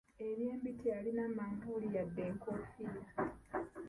Eby'embi teyalina manvuuli yadde nkoofiira.